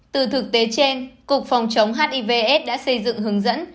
từ thực tế trên cục phòng chống hiv aids đã xây dựng hướng dẫn